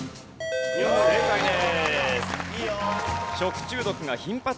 正解です。